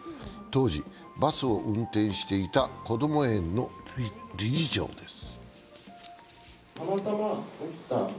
当時、バスを運転していたこども園の理事長です。